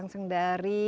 oke kita cari